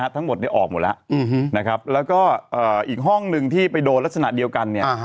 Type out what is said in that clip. ทั้งหมดเนี่ยออกหมดแล้วนะครับแล้วก็อีกห้องนึงที่ไปโดนลักษณะเดียวกันเนี่ย